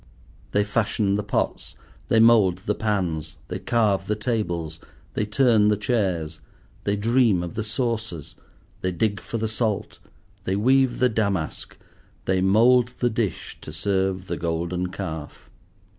They fashion the pots, they mould the pans, they carve the tables, they turn the chairs, they dream of the sauces, they dig for the salt, they weave the damask, they mould the dish to serve the Golden Calf.